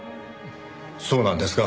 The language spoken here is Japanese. そうなんですか？